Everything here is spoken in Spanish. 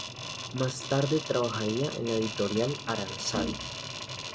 Más tarde trabajaría en la editorial Aranzadi.